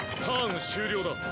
ターン終了だ。